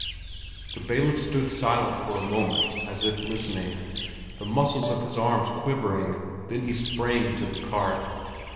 The bailiff stood silent for a moment as if listening, the muscles of his arms quivering. Then he sprang into the cart.